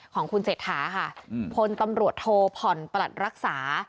ของคุณเศรษฐาค่ะพลตำรวจโทผ่อนประหลัดรักษา